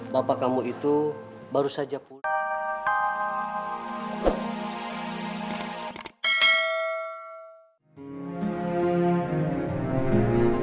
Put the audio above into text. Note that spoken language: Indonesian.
bapak kamu itu baru saja pulang